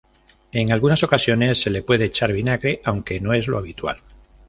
En algunas ocasiones se le puede echar vinagre, aunque no es lo habitual.